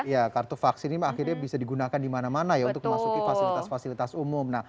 ya kartu vaksin ini akhirnya bisa digunakan di mana mana ya untuk memasuki fasilitas fasilitas umum